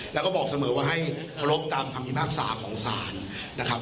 แล้วก็บอกเสมอว่าให้โทรกตามคัมมีภาคสาของศาลนะครับ